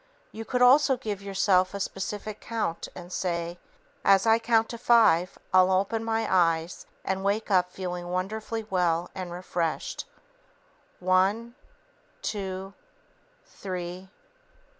You could also give yourself a specific count and say, "As I count to five, I'll open my eyes and wake up feeling wonderfully well and refreshed. One ... two ... three